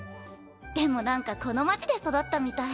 でもなんかこの街で育ったみたい。